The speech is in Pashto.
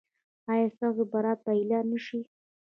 ایا ستاسو برات به اعلان نه شي؟